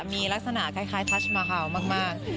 มีลักษณะคล้ายทัชมาฮาวมาก